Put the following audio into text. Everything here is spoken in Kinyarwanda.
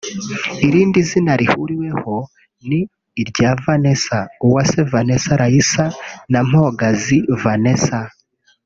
Irindi zina rihuriweho ni irya Vanessa; Uwase Vanessa Raissa na Mpogazi Vanessa